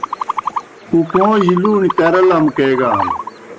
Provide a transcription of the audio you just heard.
کُکُوں جیْ لُݨیْ کرہ لمکیگان